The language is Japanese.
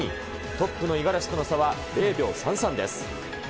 トップの五十嵐との差は０秒３３です。